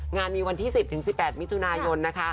งานมีวันที่๑๐๑๘มิถุนายนนะคะ